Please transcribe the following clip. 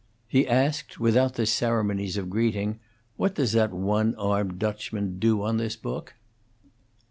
He asked, without the ceremonies of greeting, "What does that one armed Dutchman do on this book?"